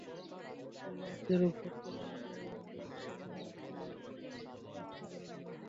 আল্লাহ সেরূপ সৎকর্ম পরায়ণদের কর্মফল নষ্ট করেন না।